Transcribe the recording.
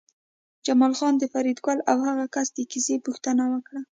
جمال خان د فریدګل او هغه کس د کیسې پوښتنه وکړه